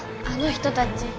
あの人たち。